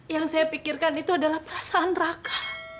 yang saya pikirkan itu adalah perasaan raka